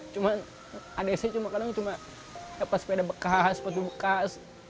cuma dede saya kadang cuma sepeda bekas sepatu bekas